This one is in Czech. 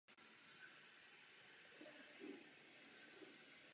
Jinými slovy, národní zdravotnické služby musí být zajištěny přiměřeným způsobem.